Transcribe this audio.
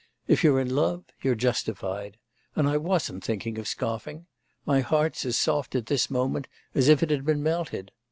If you're in love, you're justified. And I wasn't thinking of scoffing. My heart's as soft at this moment as if it had been melted....